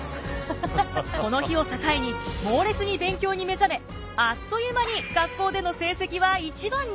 この日を境に猛烈に勉強に目覚めあっという間に学校での成績は１番に！